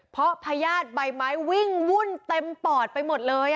เพราะพญาติใบไม้วิ่งวุ่นเต็มปอดไปหมดเลย